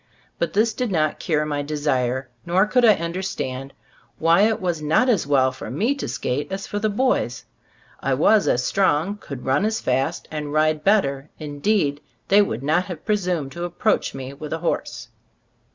But this did not cure my de sire; nor could I understand why it was not as well for me to skate as for the boys; I was as strong, could run as fast and ride better, indeed they would not have presumed to approach me with a horse.